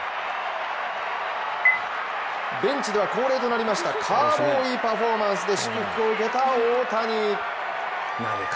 ベンチでは恒例となりましたカウボーイパフォーマンスで祝福を受けた大谷。